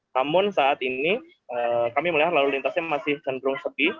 namun saat ini kami melihat lalu lintasnya masih cenderung sepi